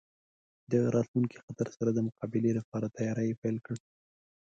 د راتلونکي خطر سره د مقابلې لپاره تیاری پیل کړ.